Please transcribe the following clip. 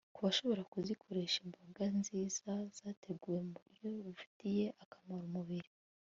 ku bashobora kuzikoresha, imboga nziza zateguwe mu buryo bufitiye akamaro umubiri